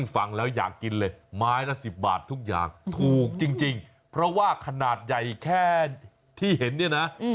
ฟังแล้วอยากกินเลยไม้ละ๑๐บาททุกอย่างถูกจริงเพราะว่าขนาดใหญ่แค่ที่เห็นเนี่ยนะ